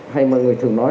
hay mọi người thường nói